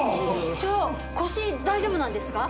腰大丈夫なんですか？